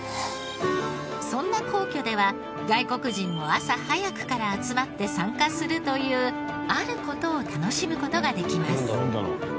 そんな皇居では外国人も朝早くから集まって参加するというある事を楽しむ事ができます。